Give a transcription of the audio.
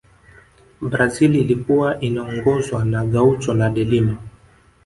brazil ilikuwa inaongozwa na gaucho na delima